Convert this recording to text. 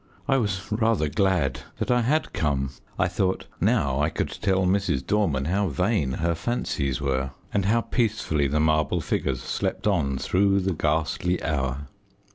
I was rather glad that I had come. I thought now I could tell Mrs. Dorman how vain her fancies were, and how peacefully the marble figures slept on through the ghastly hour.